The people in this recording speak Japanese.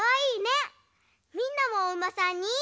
みんなもおうまさんに。